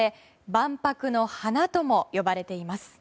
万博の華とも呼ばれています。